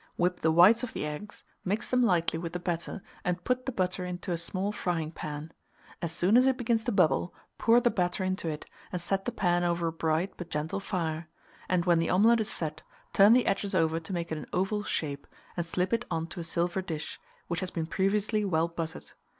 Whip the whites of the eggs, mix them lightly with the batter, and put the butter into a small frying pan. As soon as it begins to bubble, pour the batter into it, and set the pan over a bright but gentle fire; and when the omelet is set, turn the edges over to make it an oval shape, and slip it on to a silver dish, which has been previously well buttered.